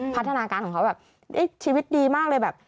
พัฒนาการของเขาแบบชีวิตดีมากเลยแบบ